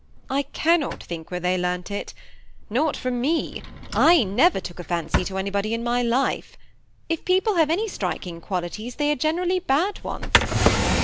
I cannot think where thej learnt it. Not from me : I never took a fancy to any body in my life. If people have any striking qualities, they are generally bad ones.